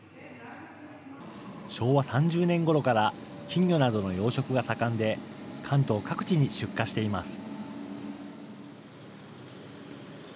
昭和３０年ごろから、金魚などの養殖が盛んで、関東各地に出荷しています。